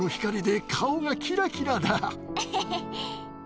エヘヘ。